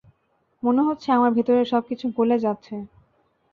মনে হচ্ছে, আমার ভেতরের সবকিছু গলে যাচ্ছে!